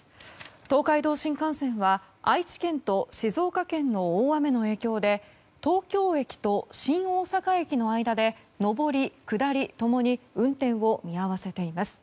東海道新幹線は愛知県と静岡県の大雨の影響で東京駅と新大阪駅の間で上り、下り共に運転を見合わせています。